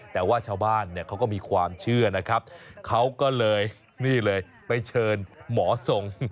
แต่ว่าชาวบ้านเนี่ยเขาก็มีความเชื่อนะครับเขาก็เลยนี่เลยไปเชิญหมอทรง